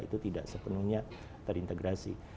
itu tidak sepenuhnya terintegrasi